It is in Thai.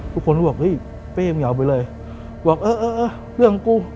ทุกคนก็บอกเฮ้ยเป้มึงอย่าเอาไปเลยบอกเออเออเรื่องกู